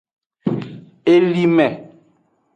Elime.